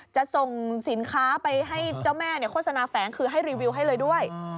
จะส่งสินค้าไปให้เจ้าแม่โฆษณาแฝงคือให้รีวิวให้เลยด้วย